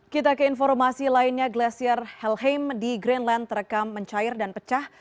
kita ke informasi lainnya glasier helheim di greenland terekam mencair dan pecah